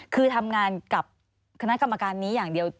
คือทำงานกับคณะกรรมการนี้อย่างเดียว